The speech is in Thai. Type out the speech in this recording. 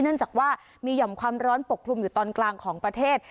เนื่องจากว่ามีหย่อมความร้อนปกคลุมอยู่ตอนกลางของประเทศ